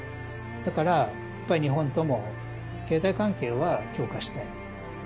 だから、やっぱり日本とも経済関係は強化したい。